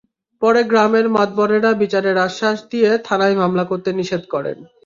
পরে গ্রামের মাতবরেরা বিচারের আশ্বাস দিয়ে থানায় মামলা করতে নিষেধ করেন।